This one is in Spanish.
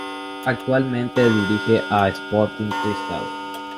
Actualmente dirige a Sporting Cristal.